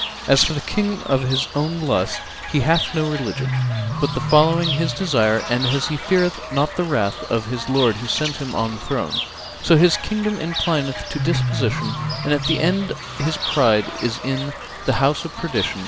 As for the King of his own lusts, he hath no religion but the following his desire and, as he feareth not the wrath of his Lord who set him on the throne, so his Kingdom inclineth to deposition and the end of his pride is in the house of perdition.